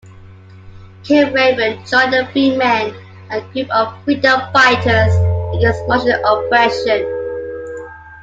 Killraven joined the Freemen, a group of freedom fighters against Martian oppression.